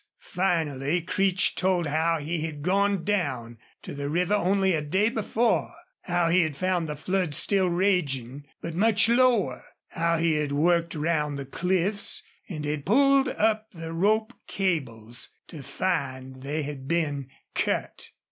Finally Creech told how he had gone down to the river only a day before; how he had found the flood still raging, but much lower; how he had worked round the cliffs and had pulled up the rope cables to find they had been cut.